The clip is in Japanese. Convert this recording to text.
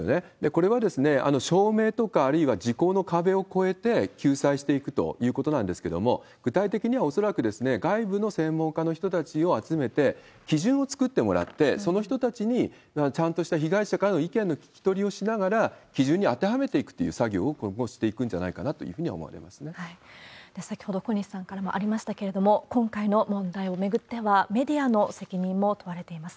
これは証明とかあるいは時効の壁を越えて救済していくということなんですけれども、具体的には恐らく外部の専門家の人たちを集めて、基準を作ってもらって、その人たちにちゃんとした被害者からの意見の聞き取りをしながら、基準に当てはめていくという作業を今後していくんじゃないかなと先ほど、小西さんからもありましたけれども、今回の問題を巡ってはメディアの責任も問われています。